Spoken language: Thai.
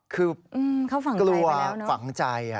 คือกลัวกลัวฝังใจ